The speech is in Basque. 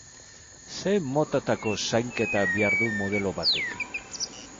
Zein motatako zainketa behar du modelo batek?